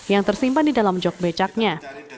yang tersimpan di dalam jog becaknya